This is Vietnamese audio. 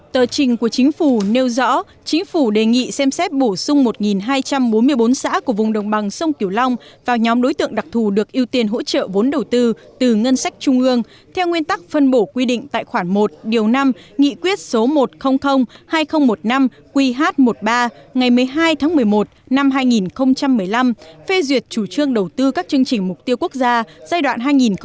tờ trình của chính phủ nêu rõ chính phủ đề nghị xem xét bổ sung một hai trăm bốn mươi bốn xã của vùng đồng bằng sơn kiểu long vào nhóm đối tượng đặc thù được ưu tiên hỗ trợ vốn đầu tư từ ngân sách trung ương theo nguyên tắc phân bổ quy định tại khoản một điều năm nghị quyết số một trăm linh hai nghìn một mươi năm qh một mươi ba ngày một mươi hai một mươi một hai nghìn một mươi năm phê duyệt chủ trương đầu tư các chương trình mục tiêu quốc gia giai đoạn hai nghìn một mươi sáu hai nghìn hai mươi